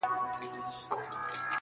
• كوټه ښېراوي هر ماښام كومه.